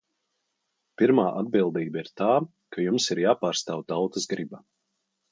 Pirmā atbildība ir tā, ka jums ir jāpārstāv tautas griba.